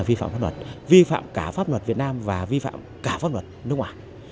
vi phạm pháp luật vi phạm cả pháp luật việt nam và vi phạm cả pháp luật nước ngoài